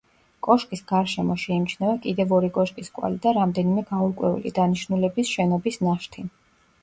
კოშკის გარშემო შეიმჩნევა კიდევ ორი კოშკის კვალი და რამდენიმე გაურკვეველი დანიშნულების შენობის ნაშთი.